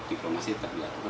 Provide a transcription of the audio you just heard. diplomasi tetap dilakukan